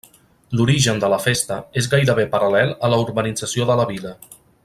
L’origen de la festa és gairebé paral·lel a la urbanització de la vila.